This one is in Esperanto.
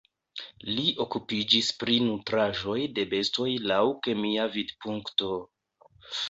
Li okupiĝis pri nutraĵoj de bestoj laŭ kemia vidpunkto.